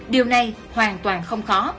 điều này hoàn toàn không khó